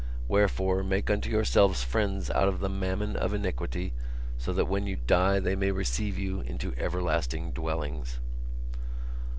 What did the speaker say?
Wherefore make unto yourselves friends out of the mammon of iniquity so that when you die they may receive you into everlasting dwellings."